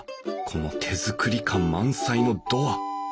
この手作り感満載のドア。